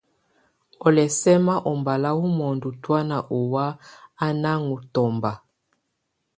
Ɔ́ lɛ̀ sɛma ɔbala wɔ̀ mɔndɔ tɔ̀ána ɔwa á nà ɔŋ tɔ̀mba.